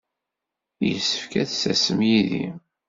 Yessefk ad d-tasem yid-i.